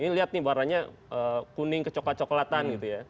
ini lihat nih warnanya kuning kecoklat coklatan gitu ya